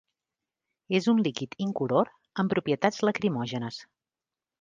És un líquid incolor amb propietats lacrimògenes.